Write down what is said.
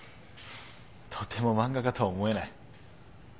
とても漫画家とは思えない。